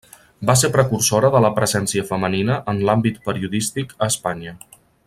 Va ser precursora de la presència femenina en l'àmbit periodístic a Espanya.